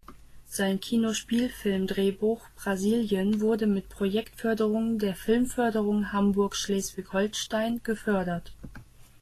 Sein Kino-Spielfilmdrehbuch "Brasilien" wurde mit Projektförderung der Filmförderung Hamburg Schleswig-Holstein gefördert.